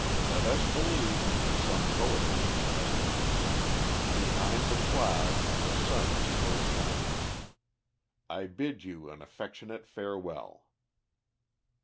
Let us believe, as some poet has expressed it: 'Behind the cloud, the sun is still shining.' I bid you an affectionate farewell."